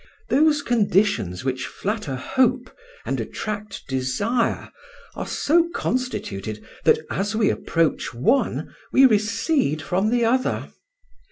Those conditions which flatter hope and attract desire are so constituted that as we approach one we recede from another.